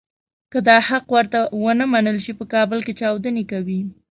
که دا حق ورته ونه منل شي په کابل کې چاودنې کوي.